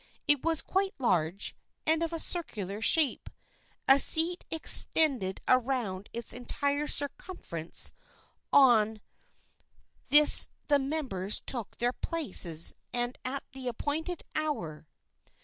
It was quite large, and of a circular shape. A seat ex tended around its entire circumference and on this 96 THE FRIENDSHIP OF ANNE the members took their places at the appointed hour.